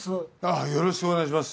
よろしくお願いします。